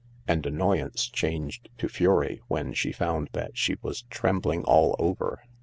And annoyance changed to fury when she found that she was trembling all over.